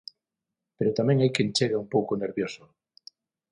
Pero tamén hai quen chega un pouco nervioso...